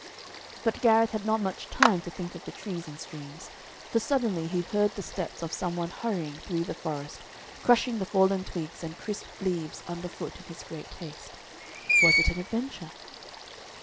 But Gareth had not much time to think of the trees and streams, for suddenly he heard the steps of some one hurrying through the forest, crushing the fallen twigs and crisp leaves underfoot in his great haste. Was it an adventure?